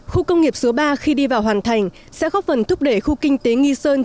khu công nghiệp số ba khi đi vào hoàn thành sẽ góp phần thúc đẩy khu kinh tế nghi sơn